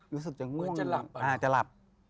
เหมือนจะหลับ